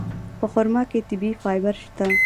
په خرما کې طبیعي فایبر شته.